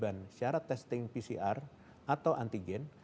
dan alternatif kewajiban syarat testing pcr atau antigen